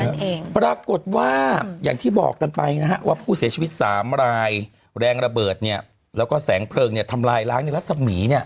เองปรากฏว่าอย่างที่บอกกันไปนะฮะว่าผู้เสียชีวิตสามรายแรงระเบิดเนี่ยแล้วก็แสงเพลิงเนี่ยทำลายล้างในรัศมีเนี่ย